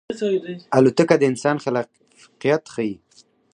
الوتکه د انسان خلاقیت ښيي.